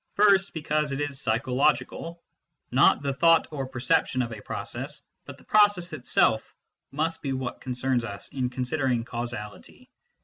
First, because it is psychological : not the " thought or perception " of a process, but the process itself, must be what concerns us in considering causality.